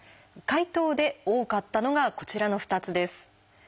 回答で多かったのがこちらの２つです。